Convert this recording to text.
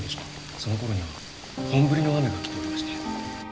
そのころには本降りの雨が来ておりまして。